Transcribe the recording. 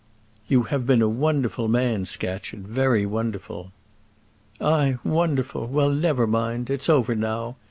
"You have been a wonderful man, Scatcherd, very wonderful." "Aye, wonderful! well, never mind. It's over now.